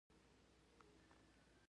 او دغه وچوالی د ساه د نالۍ ارتعاش زياتوي